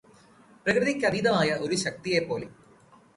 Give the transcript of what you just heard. പ്രകൃതിക്കതീതമായ ഒരു ശക്തിയെപ്പോലെ.